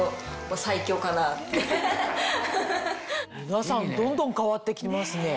皆さんどんどん変わって来ますね。